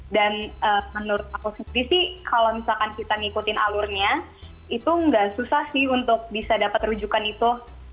dan menurut aku sendiri sih kalau misalkan kita ngikutin alurnya itu nggak susah sih untuk bisa dapat rujukan itu